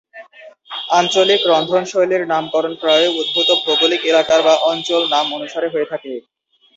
আঞ্চলিক রন্ধনশৈলীর নামকরণ প্রায়শই উদ্ভূত ভৌগোলিক এলাকার বা অঞ্চল নাম অনুসারে হয়ে থাকে।